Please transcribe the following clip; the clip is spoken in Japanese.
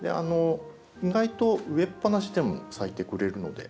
意外と植えっぱなしでも咲いてくれるので。